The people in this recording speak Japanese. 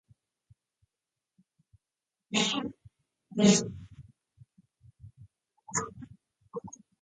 最早一分も猶予が出来ぬ仕儀となったから、やむをえず失敬して両足を前へ存分のして、首を低く押し出してあーあと大なる欠伸をした